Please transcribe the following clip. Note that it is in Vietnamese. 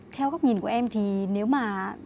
theo góc nhìn của em thì nếu mà